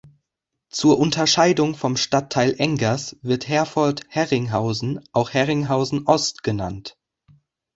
Zur Unterscheidung vom Stadtteil Engers wird Herford-Herringhausen auch "Herringhausen Ost" genannt.